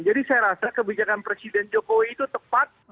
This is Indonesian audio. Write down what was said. jadi saya rasa kebijakan presiden jokowi itu tepat